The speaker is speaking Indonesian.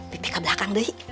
bibi ke belakang doi